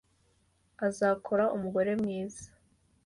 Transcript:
Azakora umugore mwiza.